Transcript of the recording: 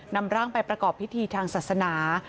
นำร่างไปประกอบพิธีทางศาสนา